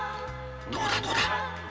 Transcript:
どうだどうだ？